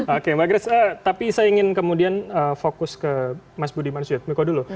oke mbak grace tapi saya ingin kemudian fokus ke mas budiman suyat miko dulu